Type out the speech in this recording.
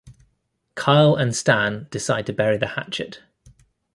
Kyle and Stan decide to bury the hatchet.